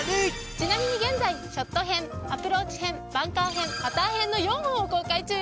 ちなみに現在ショット編アプローチ編バンカー編パター編の４本を公開中よ。